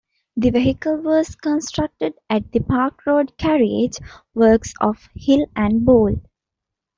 The vehicle was constructed at the Park Road carriage works of Hill and Boll.